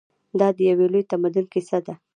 دا د یو لوی تمدن کیسه ده.